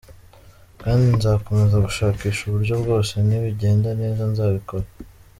kandi nzakomeza gushakisha uburyo bwose, nibigenda neza nzabikora.